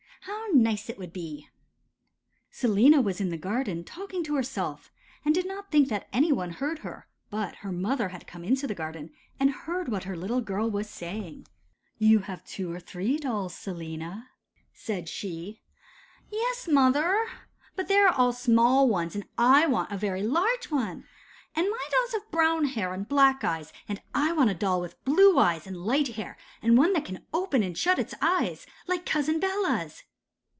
How nice it would be!' Selina was sitting in the garden talking to herself, and did not think that any one heard her; but her mother had come into the garden and heard what her little girl was saying. [Illustration: 'SELINA WAS SITTING IN THE GARDEN.'] 'You have two or three dolls, Selina,' said she. 'Yes, mother, but they are small ones, and I want a very large one. And my dolls have brown hair and black eyes, and I want a doll with blue eyes and light hair, and one that can open and shut its eyes, like Cousin Bella's.